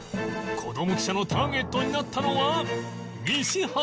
こども記者のターゲットになったのは西畑！